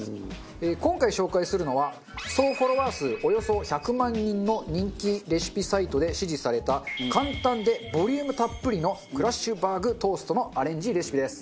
今回紹介するのは総フォロワー数およそ１００万人の人気レシピサイトで支持された簡単でボリュームたっぷりのクラッシュバーグトーストのアレンジレシピです。